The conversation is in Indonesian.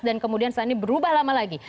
dan kemudian saat ini berubah lama lagi